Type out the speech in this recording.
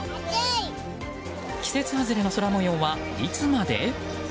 季節外れの空模様はいつまで？